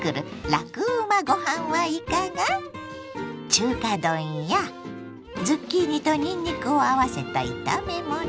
中華丼やズッキーニとにんにくを合わせた炒めもの。